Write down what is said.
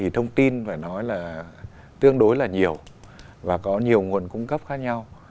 thông tin phải nói là tương đối là nhiều và có nhiều nguồn cung cấp khác nhau